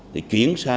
thì chuyển sửa